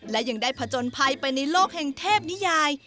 และยังได้ผจญภัยไปในโลกแห่งเทพนิยาย